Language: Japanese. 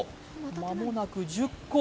間もなく１０個。